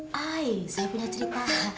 saya punya cerita